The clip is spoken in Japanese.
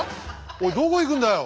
おいどこ行くんだよ？